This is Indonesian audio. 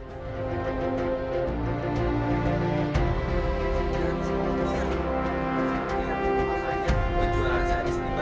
bagaimana cara untuk memperbaiki kemampuan individu yang tersebar di seluruh pelajaran